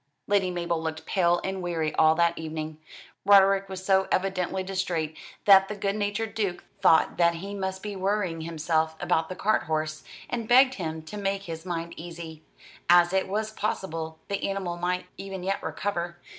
Lady Mabel looked pale and weary all that evening. Roderick was so evidently distrait that the good natured Duke thought that he must be worrying himself about the cart horse, and begged him to make his mind easy, as it was possible the animal might even yet recover.